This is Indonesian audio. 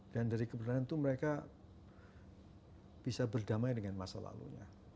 dan dari kebenaran itu mereka bisa berdamai dengan masa lalunya